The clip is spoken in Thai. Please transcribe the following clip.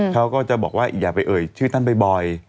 เขาก็จะบอกว่าอย่าไปเอ่ยชื่อท่านบ่อย